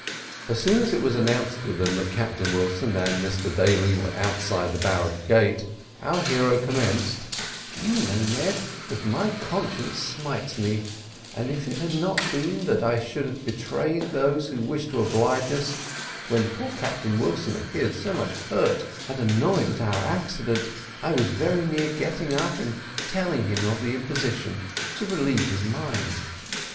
As soon as it was announced to them that Captain Wilson and Mr Daly were outside the barrack gates our hero commenced "Do you know, Ned, that my conscience smites me, and if it had not been that I should have betrayed those who wish to oblige us, when poor Captain Wilson appeared so much hurt and annoyed at our accident, I was very near getting up and telling him of the imposition, to relieve his mind."